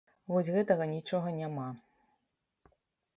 Вось гэтага нічога няма.